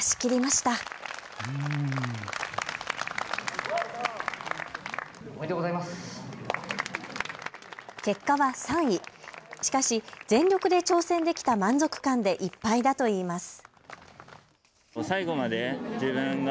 しかし全力で挑戦できた満足感でいっぱいだといいます。